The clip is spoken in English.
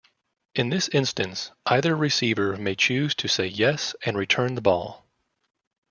In this instance, either receiver may choose to say 'yes' and return the ball.